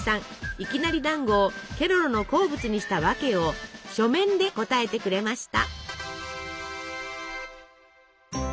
いきなりだんごをケロロの好物にした訳を書面で答えてくれました。